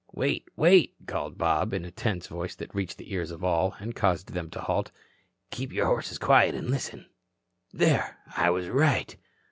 "Wait, wait," called Bob, in a tense voice that reached the ears of all, and caused them to halt. "Keep your horses quiet and listen. There. I was right."